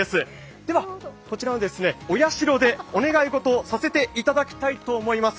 では、お社でお願いことをさせていただきたいと思います。